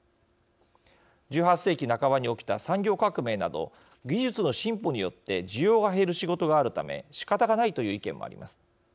１８世紀半ばに起きた産業革命など技術の進歩によって需要が減る仕事があるためしかたがないという意見もあります。